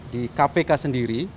di kpk sendiri